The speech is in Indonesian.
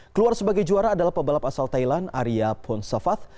keluar sebagai juara adalah pebalap asal thailand arya ponsafath